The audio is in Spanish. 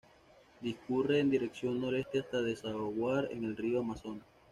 Discurre en dirección noreste hasta desaguar en el río Amazonas.